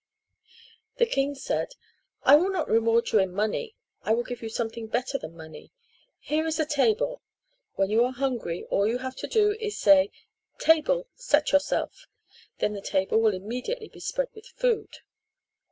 The king said: "I will not reward you in money. I will give you something better than money. Here is a table. When you are hungry all you have to do is to say, 'Table, set yourself.' Then the table will immediately be spread with food."